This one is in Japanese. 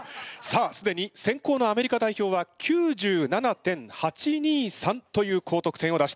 さあすでに先攻のアメリカ代表は９７．８２３という高得点を出しております。